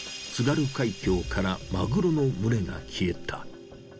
津軽海峡からマグロの群れが消えた。